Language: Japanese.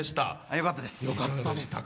よかったです。